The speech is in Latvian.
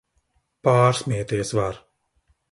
Pārsmieties var!